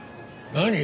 何？